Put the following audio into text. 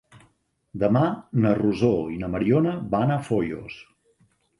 Demà na Rosó i na Mariona van a Foios.